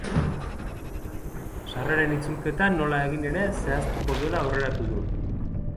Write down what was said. Sarreren itzulketa nola egin ere zehaztuko duela aurreratu du.